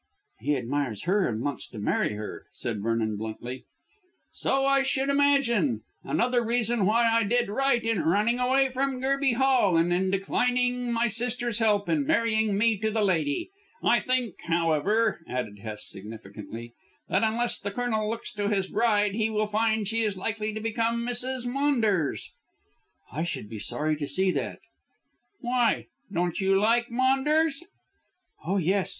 "He admires her and wants to marry her," said Vernon bluntly. "So I should imagine. Another reason why I did right in running away from Gerby Hall and in declining my sister's help in marrying me to the lady. I think, however," added Hest significantly, "that unless the Colonel looks to his bride he will find she is likely to become Mrs. Maunders." "I should be sorry to see that." "Why? Don't you like Maunders?" "Oh, yes.